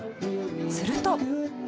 すると。